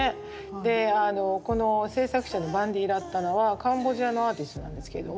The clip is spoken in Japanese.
であのこの制作者のヴァンディー・ラッタナはカンボジアのアーティストなんですけれども。